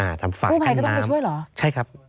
อ่าทำฝั่งข้างน้ำกูภัยก็ต้องไปช่วยเหรอใช่ครับอ่า